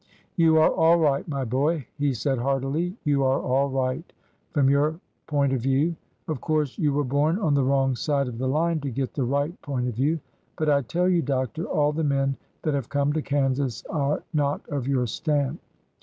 "You are all right, my boy!" he said heartily; "you are all right 1— from your point of view. Of course you were born on the wrong side of the line to get the right point of view. But I tell you. Doctor, all the men that have come to Kansas are not of your stamp."